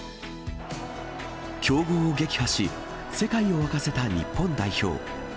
強豪を撃破し、世界を沸かせた日本代表。